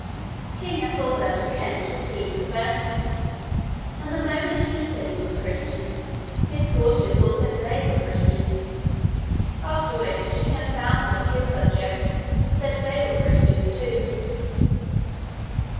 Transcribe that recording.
King Ethelbert, of Kent, was soon converted; and the moment he said he was a Christian, his courtiers all said they were Christians; after which, ten thousand of his subjects said they were Christians too.